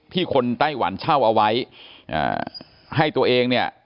คนไต้หวันเช่าเอาไว้ให้ตัวเองเนี่ย